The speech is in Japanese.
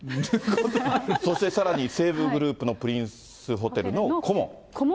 そしてさらに西武グループのプリンスホテルの顧問。